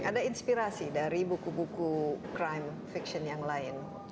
ada inspirasi dari buku buku crime fiction yang lain